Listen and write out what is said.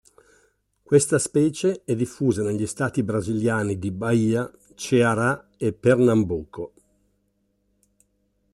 Questa specie è diffusa negli stati brasiliani di Bahia, Ceará e Pernambuco.